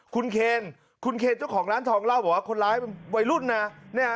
คุณเคนคุณเคนเจ้าของร้านทองเล่าบอกว่าคนร้ายเป็นวัยรุ่นนะ